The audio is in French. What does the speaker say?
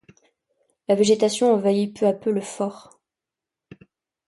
La végétation envahit peu à peu le fort.